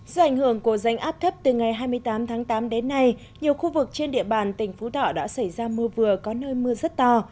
do ảnh hưởng của rãnh áp thấp từ ngày hai mươi tám tháng tám đến nay nhiều khu vực trên địa bàn tỉnh phú thọ đã xảy ra mưa vừa có nơi mưa rất to